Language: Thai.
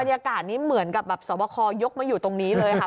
บรรยากาศนี้เหมือนกับแบบสวบคยกมาอยู่ตรงนี้เลยค่ะ